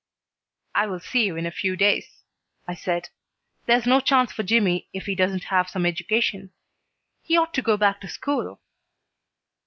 "I will see you in a few days," I said. "There's no chance for Jimmy if he doesn't have some education. He ought to go back to school."